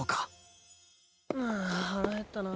ああ腹減ったな。